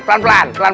pelan pelan pelan